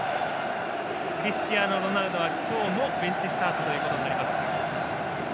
クリスチアーノ・ロナウドは今日もベンチスタートとなります。